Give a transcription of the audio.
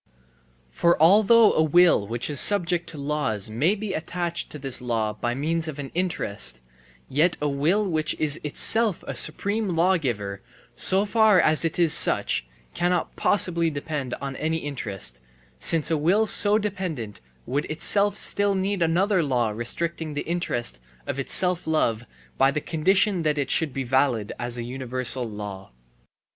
For although a will which is subject to laws may be attached to this law by means of an interest, yet a will which is itself a supreme lawgiver so far as it is such cannot possibly depend on any interest, since a will so dependent would itself still need another law restricting the interest of its self love by the condition that it should be valid as universal law.